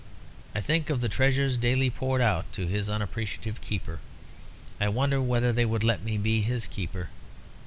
Think of the treasures daily poured out to his unappreciative keeper! I wonder whether they would let me be his keeper.